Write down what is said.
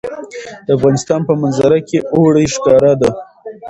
د افغانستان په منظره کې اوړي ښکاره ده.